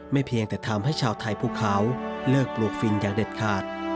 เพียงแต่ทำให้ชาวไทยภูเขาเลิกปลูกฟินอย่างเด็ดขาด